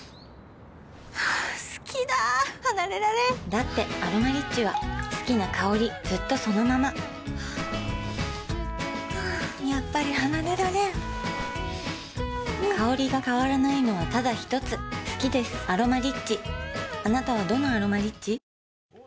好きだ離れられんだって「アロマリッチ」は好きな香りずっとそのままやっぱり離れられん香りが変わらないのはただひとつ好きです「アロマリッチ」